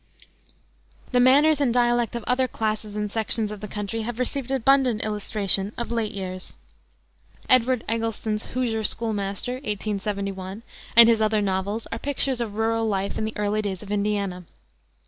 The manners and dialect of other classes and sections of the country have received abundant illustration of late years. Edward Eggleston's Hoosier Schoolmaster, 1871, and his other novels are pictures of rural life in the early days of Indiana.